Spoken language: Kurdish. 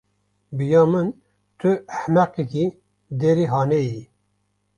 Bi ya min tu ehmeqekî derê hanê yî.